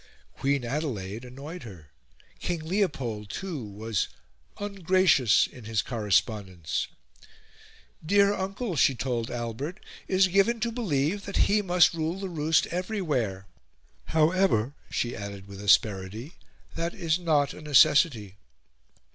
Queen Adelaide annoyed her. King Leopold, too, was "ungracious" in his correspondence; "Dear Uncle," she told Albert, "is given to believe that he must rule the roost everywhere. However," she added with asperity, "that is not a necessity."